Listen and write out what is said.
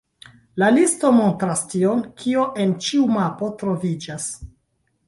La listo montras tion, kio en ĉiu mapo troviĝas.